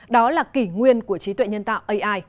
đó là kỷ nguyên của trí tuệ nhân tạo